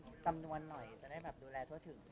บางทีเค้าแค่อยากดึงเค้าต้องการอะไรจับเราไหล่ลูกหรือยังไง